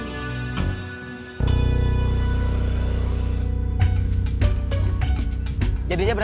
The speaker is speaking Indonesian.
sayang enggak bener